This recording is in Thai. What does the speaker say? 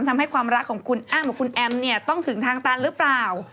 ทำให้ความรักของคุณอ้ำกับคุณแอมเนี่ยต้องถึงทางตันหรือเปล่า